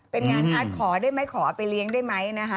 เป็นงานอาร์ตขอได้ไหมขอเอาไปเลี้ยงได้ไหมนะคะ